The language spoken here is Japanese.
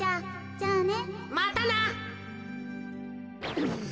じゃあね。